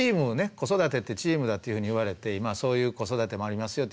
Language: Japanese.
子育てってチームだというふうにいわれて今そういう子育てもありますよって言われてるけど。